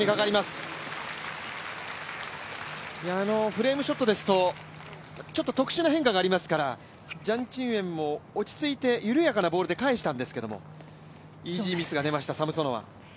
フレームショットですと特殊な変化がありますから、ジャン・チンウェンも落ち着いて緩やかなボールで返したんですけどもイージーミスが出ましたサムソノワ。